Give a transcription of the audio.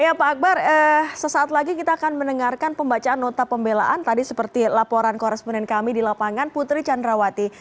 ya pak akbar sesaat lagi kita akan mendengarkan pembacaan nota pembelaan tadi seperti laporan koresponen kami di lapangan putri candrawati